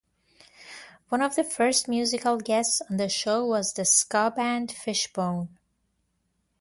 One of the first musical guests on the show was the ska band Fishbone.